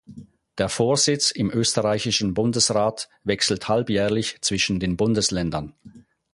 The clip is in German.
Der Vorsitz im Österreichischen Bundesrat wechselt halbjährlich zwischen den Bundesländern.